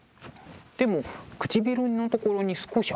でも唇のところに少し赤い色が。